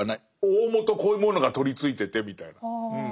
大本こういうものが取りついててみたいな。